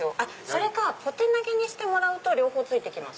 それかポテナゲにしてもらうと両方付いてきます。